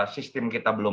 sistem kita belum